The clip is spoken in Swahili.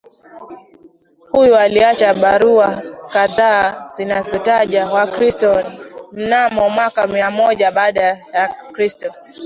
huyu aliacha barua kadhaa zinazotaja Wakristo mnamo mwaka miamoja baada ya kristo